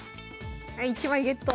はい１枚ゲット！